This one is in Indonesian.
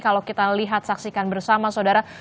kalau kita lihat saksikan bersama saudara